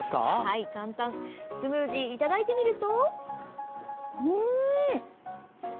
スムージー、いただいてみると。